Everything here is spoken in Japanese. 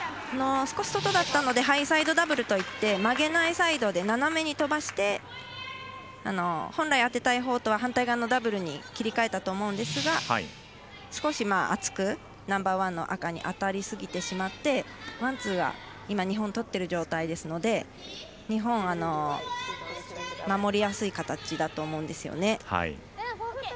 少し外だったのでハイサイドダブルといって曲げないサイドで斜めに飛ばして本来当てたいほうとは反対側のダブルに切り替えたと思うんですが少し厚くナンバーワンの赤に当たりすぎてしまってワン、ツーが日本がとっている状態ですので日本、守りやすい形だと思うんですよね。